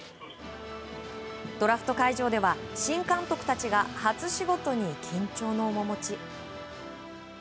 ドラフト会場では、新監督たちが初仕事に緊張の面持ち。